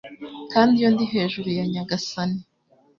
kandi iyo ndi hejuru ya Nyagasani